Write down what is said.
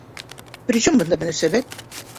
Причем бында мөнәсәбәт?